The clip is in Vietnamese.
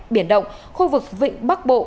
biển động khu vực vịnh bắc bộ